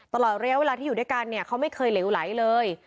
ตลอดเรียกเวลาอยู่ด้วยกันเขาไม่เคยเลี่ยวไร้เลย